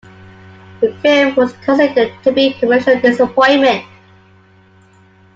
The film was considered to be a commercial disappointment.